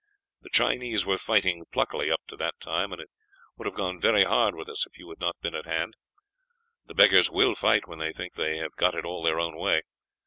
The Chinese were fighting pluckily up to that time, and it would have gone very hard with us if you had not been at hand; the beggars will fight when they think they have got it all their own way.